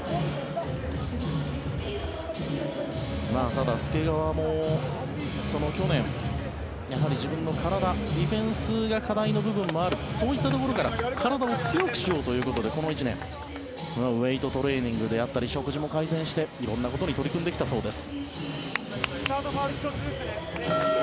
ただ、介川も去年、やはり自分の体ディフェンスが課題の部分もあるそういったところから体を強くしようということでこの１年ウェイトトレーニングであったり食事も改善して色んなことに取り組んできたそうです。